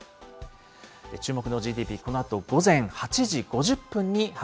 注目のＧＤＰ、このあと午前８時